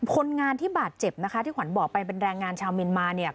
คนงานที่บาดเจ็บนะคะที่ขวัญบอกไปเป็นแรงงานชาวเมียนมาเนี่ย